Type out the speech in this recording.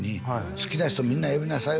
「好きな人みんな呼びなさい」